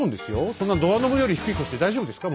そんなドアノブより低い腰で大丈夫ですか？